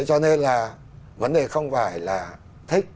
cho nên là vấn đề không phải là thích